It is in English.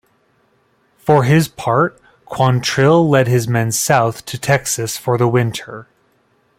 For his part, Quantrill led his men south to Texas for the winter.